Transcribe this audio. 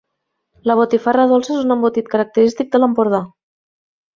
La botifarra dolça és un embotit característic de l'Empordà.